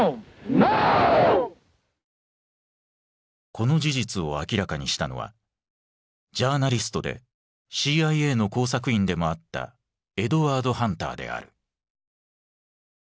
この事実を明らかにしたのはジャーナリストでＣＩＡの工作員でもあったエドワード・ハンターである。